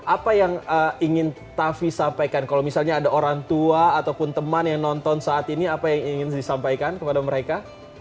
apa yang ingin tavi sampaikan kalau misalnya ada orang tua ataupun teman yang nonton saat ini apa yang ingin disampaikan kepada mereka